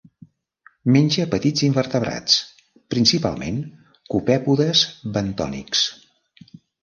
Menja petits invertebrats, principalment copèpodes bentònics.